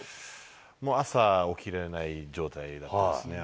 もう朝起きれない状態だったんですね。